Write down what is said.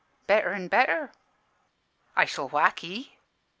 "'Better an' better.' "'I shall whack 'ee.'